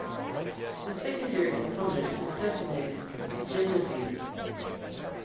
The secondary component is designated "Taygeta B".